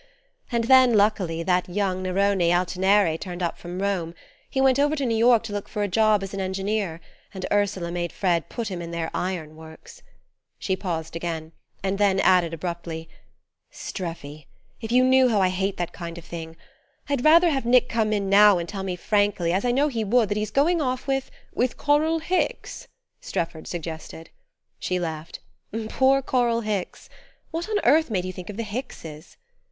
And then luckily that young Nerone Altineri turned up from Rome: he went over to New York to look for a job as an engineer, and Ursula made Fred put him in their iron works." She paused again, and then added abruptly: "Streffy! If you knew how I hate that kind of thing. I'd rather have Nick come in now and tell me frankly, as I know he would, that he's going off with " "With Coral Hicks?" Strefford suggested. She laughed. "Poor Coral Hicks! What on earth made you think of the Hickses?"